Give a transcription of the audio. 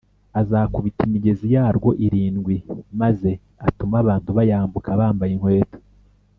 Azakubita imigezi yarwo irindwi maze atume abantu bayambuka bambaye inkweto